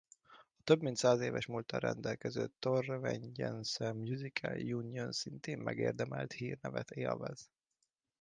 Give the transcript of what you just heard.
A több mint száz éves múlttal rendelkező Torrevejense Musical Union szintén megérdemelt hírnevet élvez.